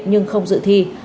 nhưng không dự thi